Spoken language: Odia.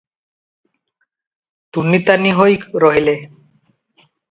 ତୁନି ତାନି ହୋଇ ରହିଲେ ।